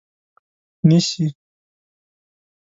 نیسي